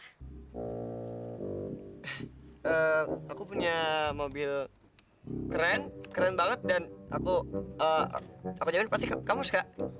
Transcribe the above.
ehm aku punya mobil keren keren banget dan aku ehh aku jalan seperti kamu suka